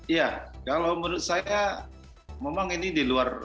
ya kalau menurut saya memang ini dilakukan